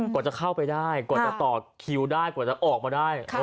กว่าจะเข้าไปได้กว่าจะต่อคิวได้กว่าจะออกมาได้